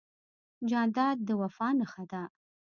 جانداد د وفا نښه ده.